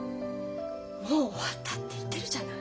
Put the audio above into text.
もう終わったって言ってるじゃない。